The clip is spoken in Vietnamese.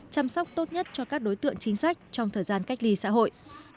chăm sóc tốt nhất cho các đối tượng chính sách trong thời gian cách ly xã hội